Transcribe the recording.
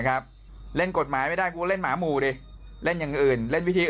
ครับเล่นกฎหมายไม่ได้กูก็เล่นหมาหมู่ดิเล่นอย่างอื่นเล่นวิธี